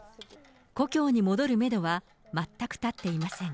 故郷に戻るメドは全く立っていません。